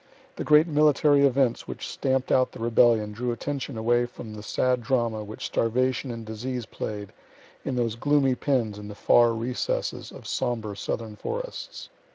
The great military events which stamp'd out the rebellion drew attention away from the sad drama which starvation and disease play'd in those gloomy pens in the far recesses of sombre southern forests."